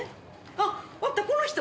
あっあったこの人。